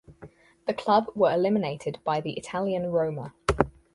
The club were eliminated by the Italian Roma.